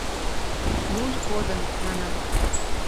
Нуль кодын, манам.